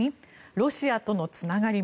ロシアとのつながりも。